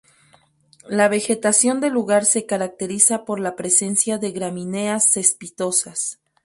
La vegetación del lugar se caracteriza por la presencia de gramíneas cespitosas.